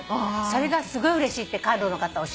それがすごいうれしいってカンロの方おっしゃってた。